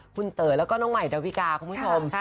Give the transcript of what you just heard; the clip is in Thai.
คุณเต๋อแล้วก็น้องใหม่ดาวิกาคุณผู้ชม